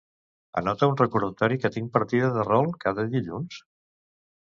Anota un recordatori que tinc partida de rol cada dilluns?